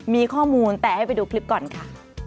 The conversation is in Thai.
มีข้อมูลแต่ให้ไปดูคลิปก่อนค่ะ